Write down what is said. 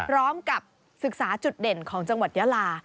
พร้อมกับศึกษาจุดเด่นของจังหวัดยาลา